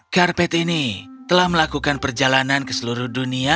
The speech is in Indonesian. karpet ini telah melakukan perjalanan ke seluruh dunia